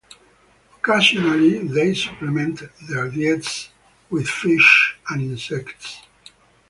Occasionally, they supplement their diets with fish and insects.